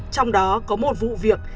trong đó có một vụ việc